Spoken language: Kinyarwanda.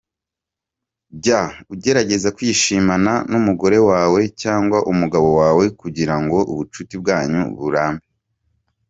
Jya ugerageza kwishimana n’umugore wawe cyangwa umugabo wawe kugira ngo ubucuti bwanyu burambe.